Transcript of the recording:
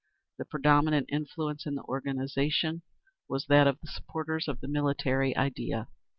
_ The predominant influence in the organisation was that of the supporters of the military idea.